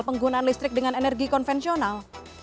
penggunaan listrik dengan energi konvensional